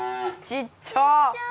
ちっちゃい！